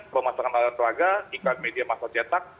pemasangan alat raga ikan media masak cetak